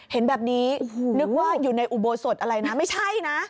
เห็นแบบนี้นึกว่าอยู่ในอุโบสถอะไรนะไม่ใช่นะ